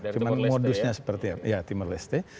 cuma modusnya seperti timur leste